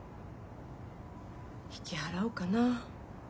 引き払おうかな。